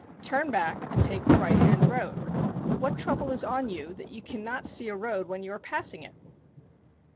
Turn back and take the right hand road. What trouble is on you that you cannot see a road when you are passing it